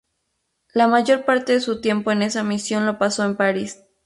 La mayor parte de su tiempo en esa misión lo pasó en París.